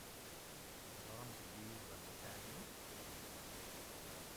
Teẓṛam belli Yuba yesɛa mmi-s?